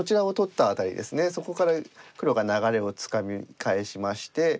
そこから黒が流れをつかみ返しまして。